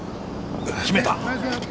決めた！